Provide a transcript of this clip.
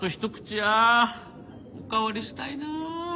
おかわりしたいなあ。